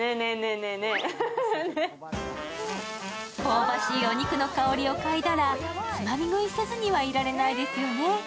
香ばしいお肉の香りをかいでいたら、つまみ食いせずにはいられないですよね。